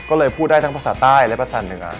ก็เลยพูดได้ทั้งภาษาใต้และภาษาเหนือ